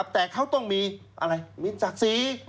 แต่เขาต้องมีอะไรมีศักดิ์ศรี